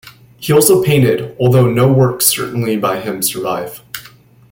He also painted, although no works certainly by him survive.